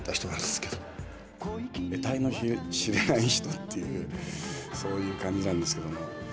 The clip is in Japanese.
えたいの知れない人っていうそういう感じなんですけども。